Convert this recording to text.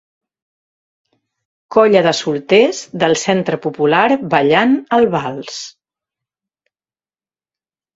Colla de solters del Centre Popular ballant el Vals.